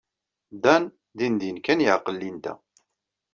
Dan dindin kan yeɛqel Linda.